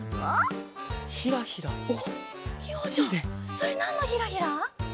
それなんのひらひら？